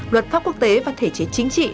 luật pháp quốc tế và thể chế chính trị